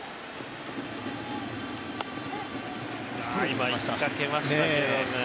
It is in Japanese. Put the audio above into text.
今、行きかけましたけど。